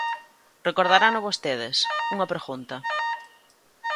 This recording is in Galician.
Recordarano vostedes: unha pregunta.